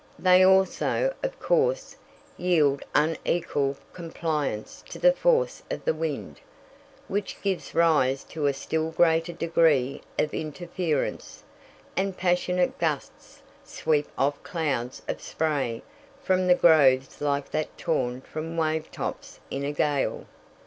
They also, of course, yield unequal compliance to the force of the wind, which gives rise to a still greater degree of interference, and passionate gusts sweep off clouds of spray from the groves like that torn from wave tops in a gale.